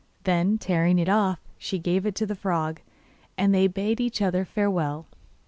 Then tearing it off, she gave it to the frog, and they bade each other farewell.